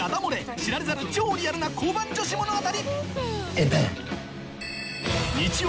知られざる超リアルな交番女子物語バン！